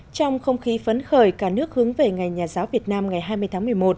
trong không khí phấn khởi cả nước hướng về ngày nhà giáo việt nam ngày hai mươi tháng một mươi một